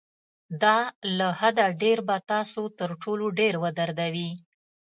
دا له حده ډېر به تاسو تر ټولو ډېر ودردوي.